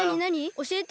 おしえて！